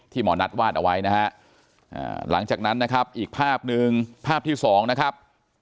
หมอนัทวาดเอาไว้นะฮะหลังจากนั้นนะครับอีกภาพหนึ่งภาพที่สองนะครับ